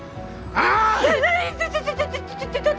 ああ！